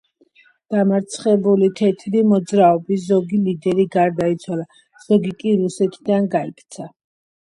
დამარცხებული თეთრი მოძრაობის ზოგი ლიდერი გარდაიცვალა, ზოგი კი რუსეთიდან გაიქცა.